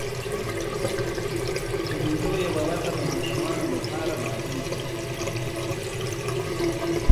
د مېلو یوه برخه د ماشومانو له پاره بازۍ دي.